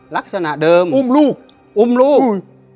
ลักษณะเดิมอุ้มลูกอุ้มลูกอุ้ย